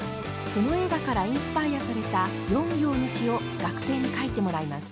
その映画からインスパイアされた４行の詩を学生に書いてもらいます。